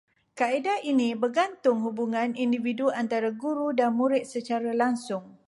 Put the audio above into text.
Kaedah ini bergantung hubungan individu antara guru dan murid secara langsung